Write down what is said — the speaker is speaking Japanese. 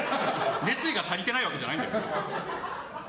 熱意が足りてないわけじゃない。